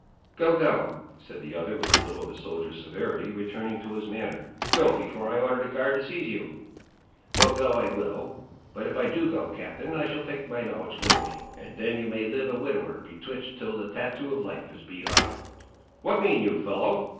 "Go, go," said the other with a little of a soldier's severity, returning to his manner. "Go, before I order the guard to seize you." "Well, go I will;—but if I do go, captain, I shall take my knowledge with me; and then you may live a widower bewitched till the tattoo of life is beat off." "What mean you, fellow?"